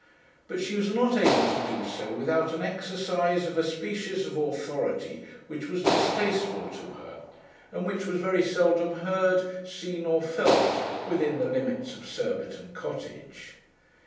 But she was not able to do so without an exercise of a species of authority which was distasteful to her, and which was very seldom heard, seen, or felt within the limits of Surbiton Cottage.